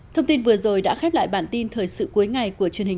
thông tin vừa rồi đã khép lại bản tin thời sự cuối ngày của truyền hình